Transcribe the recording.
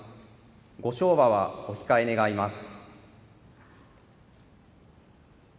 ご唱和はお控え願います。